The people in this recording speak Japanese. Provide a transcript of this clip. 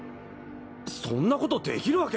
そんなことできるわけ。